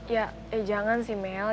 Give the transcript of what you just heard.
ya eh jangan sih mel